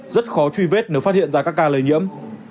rất khó truy vết nếu phát hiện ra các ca lây nhiễm